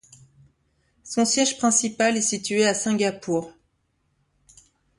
Son siège principal est situé à Singapour.